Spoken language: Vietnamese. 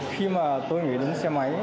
khi mà tôi nghĩ đến xe máy